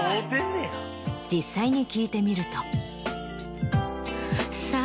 実際に聞いてみると。